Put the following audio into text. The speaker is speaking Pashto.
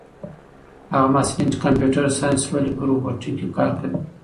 هغه محصلین چې کمپیوټر ساینس لولي په روبوټیک کې کار کوي.